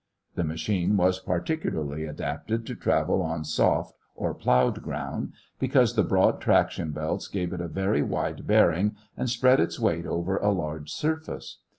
The machine was particularly adapted to travel on soft or plowed ground, because the broad traction belts gave it a very wide bearing and spread its weight over a large surface.